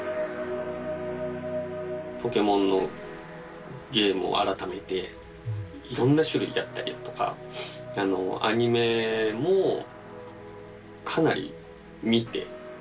ポケモンのゲームを改めていろんな種類やったりだとかアニメもかなり見て。